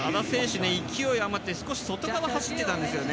勢い余って少し外側を走ってたんですよね。